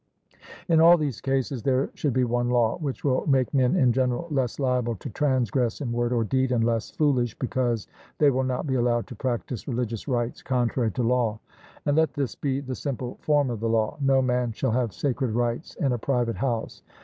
In all these cases there should be one law, which will make men in general less liable to transgress in word or deed, and less foolish, because they will not be allowed to practise religious rites contrary to law. And let this be the simple form of the law: No man shall have sacred rites in a private house.